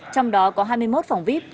trong đó có hai mươi một phòng vip